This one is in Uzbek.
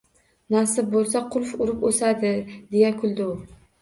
— Nasib bo‘lsa, qulf urib o‘sadi! — deya kuldi u. —